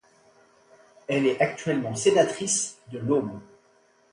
Elle est actuellement sénatrice de l'Aube.